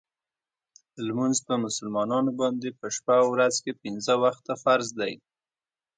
لمونځ په مسلمانانو باندې په شپه او ورځ کې پنځه وخته فرض دی .